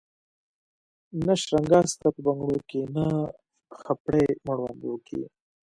نه شرنګا سته په بنګړو کي نه خپړي مړوندو کي